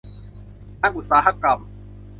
ทางอุตสาหกรรม